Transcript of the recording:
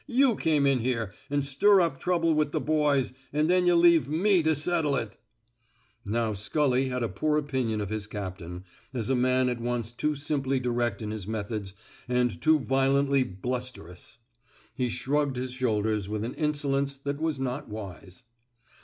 You come in here an' stir up trouble with the boys, an' then yuh leave me to settle it —'* Now Scully had a poor opinion of his captain, as a man at once too simply direct in his methods and too violently blusterous. He shrugged his shoulders with an insolence that was not wise.